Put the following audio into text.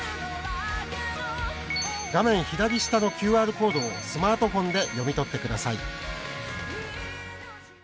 画面左下のＱＲコードをスマートフォンで読み取ってください。